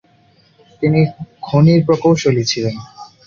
তিনি খনির প্রকৌশলী ছিলেন।